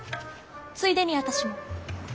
ついでに私も。